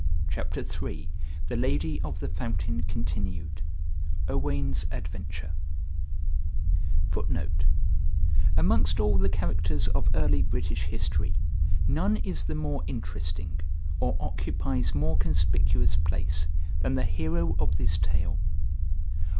CHAPTER III THE LADY OF THE FOUNTAIN (Continued) OWAIN'S ADVENTURE [Footnote: Amongst all the characters of early British history none is the more interesting, or occupies more conspicuous place, than the hero of this tale.